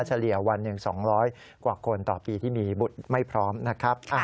เฉลี่ยวันหนึ่ง๒๐๐กว่าคนต่อปีที่มีบุตรไม่พร้อมนะครับ